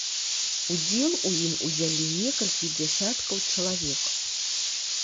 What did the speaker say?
Удзел у ім узялі некалькі дзясяткаў чалавек.